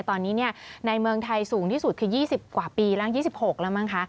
ตอนนี้ในเมืองไทยสูงที่สุดคือ๒๐กว่าปีแล้ว๒๖แล้วมั้งคะ